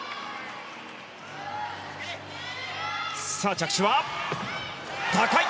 着地は、高い！